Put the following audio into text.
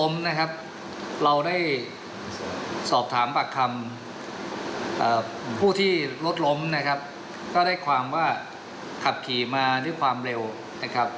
ไม่มีอาการมาเก็บ